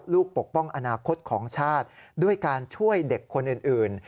ปกป้องอนาคตของชาติด้วยการช่วยเด็กคนอื่น